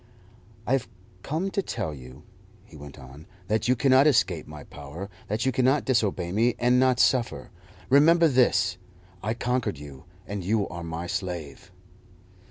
"I have come to tell you," he went on, "that you cannot escape my power, that you cannot disobey me and not suffer. Remember this: I conquered you, and you are my slave."